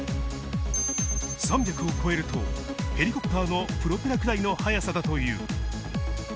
３００を超えるとヘリコプターのプロペラくらいの速さだという。